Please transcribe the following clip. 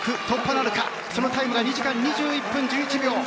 突破なるかそのタイムが２時間２１分１１秒。